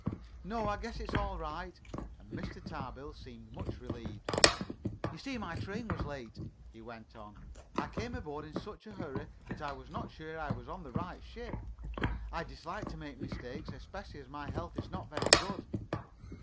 "No, I guess it's all right," and Mr. Tarbill seemed much relieved. "You see, my train was late," he went on, "and I came aboard in such a hurry that I was not sure I was on the right ship. I dislike to make mistakes, especially as my health is not very good."